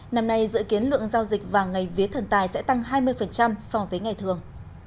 năm nay dự kiến lượng giao dịch vàng ngày vía thần tài sẽ tăng hai mươi so với ngày thường